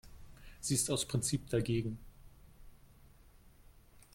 Sie ist aus Prinzip dagegen.